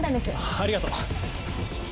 ありがとう。